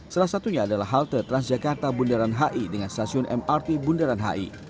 salah satunya adalah halte transjakarta bundaran hi dengan stasiun mrt bundaran hi